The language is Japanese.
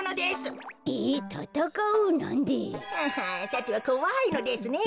さてはこわいのですね